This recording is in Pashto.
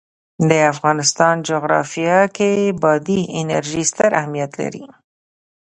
د افغانستان جغرافیه کې بادي انرژي ستر اهمیت لري.